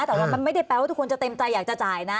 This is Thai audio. แต่ว่ามันไม่ได้แปลว่าทุกคนจะเต็มใจอยากจะจ่ายนะ